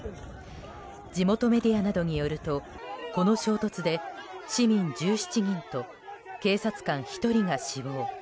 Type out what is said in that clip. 地元メディアなどによるとこの衝突で市民１７人と警察官１人が死亡。